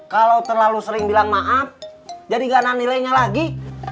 kalau terlalu sering bilang maaf jadi ganah nilainya lagi